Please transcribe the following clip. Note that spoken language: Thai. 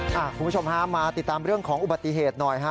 คุณผู้ชมฮะมาติดตามเรื่องของอุบัติเหตุหน่อยฮะ